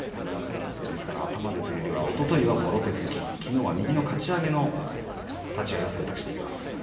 頭でというよりはおとといは、もろ手突き昨日は右のかち上げの立ち合いを選択しています。